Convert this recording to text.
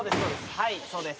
はいそうです。